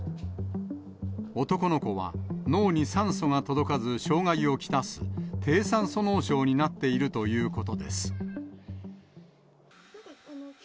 男の子は脳に酸素が届かず障害を来す、低酸素脳症になっているということです。